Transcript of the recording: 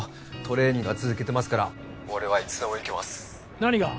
トレーニングは続けてますから☎俺はいつでもいけます何が？